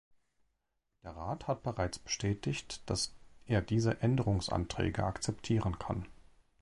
Der Rat hat bereits bestätigt, dass er diese Änderungsanträge akzeptieren kann.